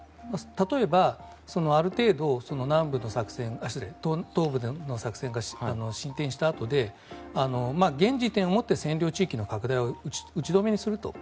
例えば、ある程度東部での作戦が進展したあとで現時点をもって占領地域の拡大を打ち止めにすると。